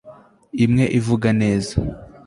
imwe ivuga neza